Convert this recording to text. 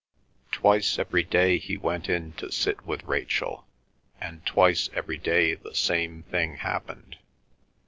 Twice every day he went in to sit with Rachel, and twice every day the same thing happened.